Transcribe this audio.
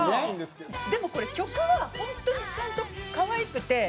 でもこれ曲はホントにちゃんとかわいくて。